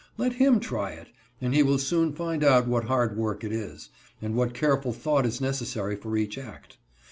Let him try it, and he will soon find out what hard work it is, and what careful thought is necessary for each act.